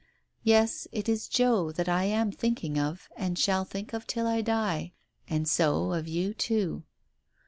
Yes, it is Joe that I am think ing of, and shall think of till I die. And so of you, too.